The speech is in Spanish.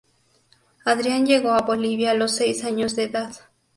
Adrián llegó a Bolivia a los seis años de edad.